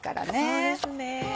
そうですね。